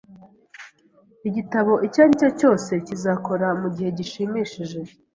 Igitabo icyo aricyo cyose kizakora mugihe gishimishije.